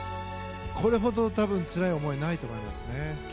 これほどつらい思いはないと思いますね。